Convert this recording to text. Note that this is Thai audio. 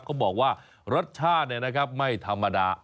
เค้าบอกว่ารสชาติเนี่ยนะครับไม่ธรรมดา